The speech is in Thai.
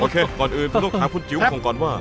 ก่อนอื่นต้องถามคุณจิ๋วก่อนว่า